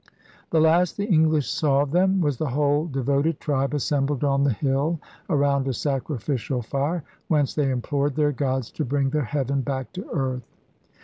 The last the English saw of them was the whole devoted tribe assembled on the hill around a sacrificial fire, whence they implored their gods to bring their heaven back to earth.